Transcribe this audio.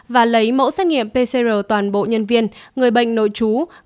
và lấy mẫu xét nghiệm pcr toàn bộ nhân viên người bệnh nội trú